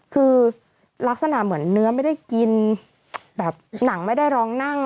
คือลักษณะเหมือนเนื้อไม่ได้กินแบบหนังไม่ได้ร้องนั่ง